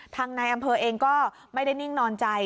ทางนายอำเภอเองก็ไม่ได้นิ่งนอนใจ